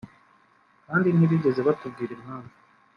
kandi ntibigeze batubwira impamvu